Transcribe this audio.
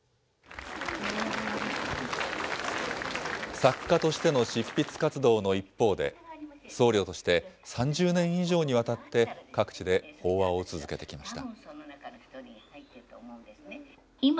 作家としての執筆活動の一方で、僧侶として３０年以上にわたって各地で法話を続けてきました。